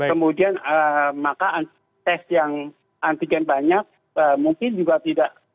kemudian maka tes yang antigen banyak mungkin juga tidak